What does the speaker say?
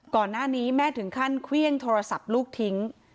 ก่อนหน้านี้แม่ถึงขั้นเครื่องโทรศัพท์ลูกทิ้ง